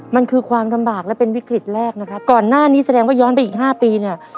มันคือความลำบากและเป็นวิกฤตแรกนะครับก่อนหน้านี้แสดงว่าย้อนไปอีกห้าปีเนี่ย